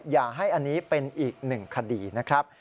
อย่าให้อันนี้เป็นอีกหนึ่งคดีนะครับ